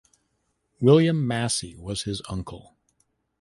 William Massey was his uncle.